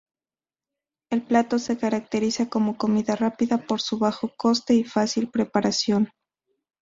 El plato se caracteriza como comida rápida por su bajo coste y fácil preparación.